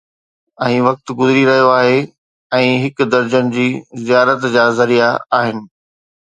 ۽ وقت گذري رهيو آهي ۽ هڪ درجن جي زيارت جا ذريعا آهن